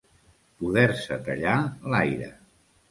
Poder-se tallar l'aire.